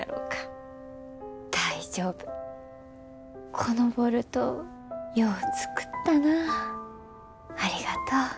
「このボルトよう作ったなありがとう」。